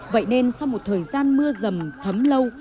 vậy nên sau một thời gian mưa rầm thấm lâu